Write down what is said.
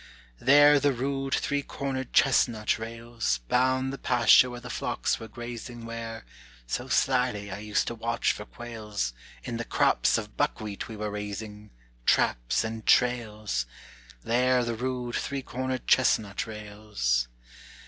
"There the rude, three cornered chestnut rails, Bound the pasture where the flocks were grazing Where, so sly, I used to watch for quails In the crops of buckwheat we were raising; Traps and trails! There the rude, three cornered chestnut rails.